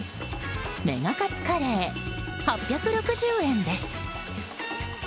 メガカツカレー、８６０円です。